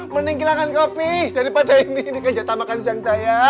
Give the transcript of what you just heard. mending kilangan kopi daripada ini ini kan jatah makan siang saya